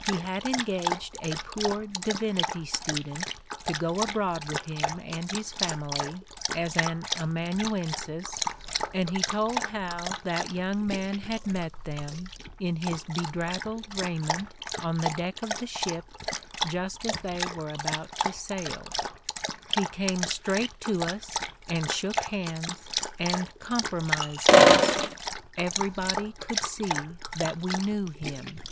He had en gaged a poor divinity student to go abroad with him and his family as an amanuensis and he told how that young man had met them, in his bedraggled raiment, on the deck of the ship, just as they were about to sail : "He came straight to us, and shook hands and com promised us. Everybody could see that we knew him.